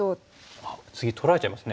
あっ次取られちゃいますね。